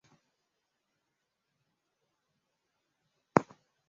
Mwanafunzi anafaa kusoma kwa bidii.